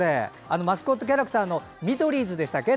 マスコットキャラクターのミドリーズでしたっけ？